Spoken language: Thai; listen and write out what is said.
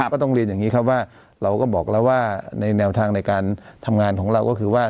ก็ต้องเรียนอย่างนี้ครับว่าเราก็บอกแล้วว่าในแนวทางในการทำงานของเราก็คือว่า